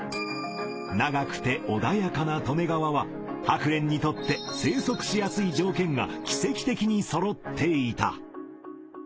長くて穏やかな利根川はハクレンにとって生息しやすい条件が奇跡的にそろっていた。